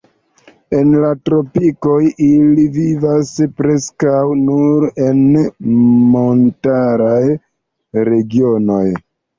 En la tropikoj ili vivas preskaŭ nur en montaraj regionoj.